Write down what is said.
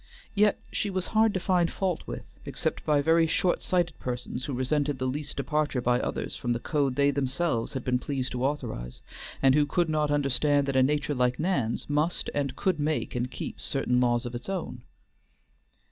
Yet she was hard to find fault with, except by very shortsighted persons who resented the least departure by others from the code they themselves had been pleased to authorize, and who could not understand that a nature like Nan's must and could make and keep certain laws of its own.